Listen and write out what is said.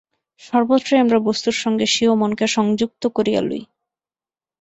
সর্বত্রই আমরা বস্তুর সঙ্গে স্বীয় মনকে সংযুক্ত করিয়া লই।